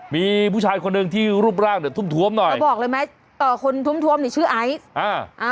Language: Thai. มีผู้ชายคนหนึ่งที่รูปร่างเนี่ยทุ่มทวมหน่อยแล้วบอกเลยไหมเอ่อคนท้วมทวมนี่ชื่อไอซ์อ่าอ่า